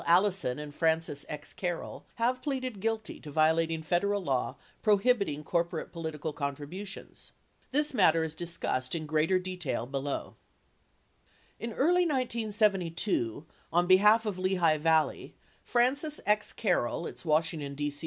Allison and Francis X. Carroll, have pleaded guilty to violating Federal law prohibiting corporate political contributions. This matter is discussed in greater detail below. In early 1972, on behalf of Lehigh Valley, Francis X. Carroll, its Washington, D.C.